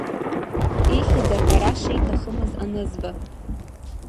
Ихьӡ аҳәара шиҭахымыз анызба…